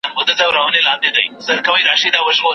نه ښکاریانو سوای په دام کي اچولای